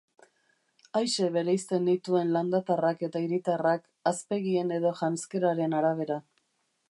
Aise bereizten nituen landatarrak eta hiritarrak, hazpegien edo janzkeraren arabera.